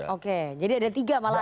oke jadi ada tiga malah